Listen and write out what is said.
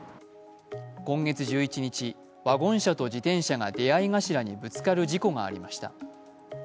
今月１１日、ワゴン車と自転車が出会い頭にぶつかる事故がありました。